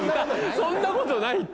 そんなことないって。